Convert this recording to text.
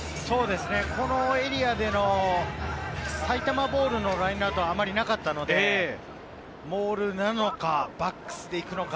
このエリアでの埼玉ボールのラインアウトはあまりなかったので、モールなのか、バックスでいくのか？